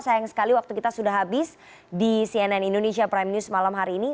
sayang sekali waktu kita sudah habis di cnn indonesia prime news malam hari ini